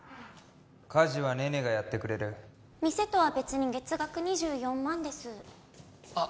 家事は寧々がやってくれる店とは別に月額２４万ですあっ